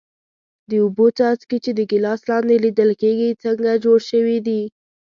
د اوبو څاڅکي چې د ګیلاس لاندې لیدل کیږي څنګه جوړ شوي دي؟